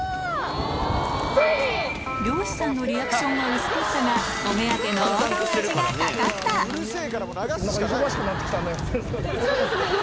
漁師さんのリアクションは薄かったがお目当ての黄金アジがかかった！